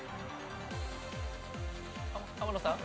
浜野さん？